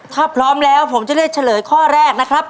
ถ้าพร้อมแล้วผมจะเลือกเฉลยข้อแรกนะครับ